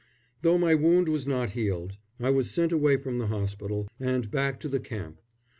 Though my wound was not healed, I was sent away from the hospital and back to the camp.